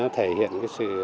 thể hiện cái sự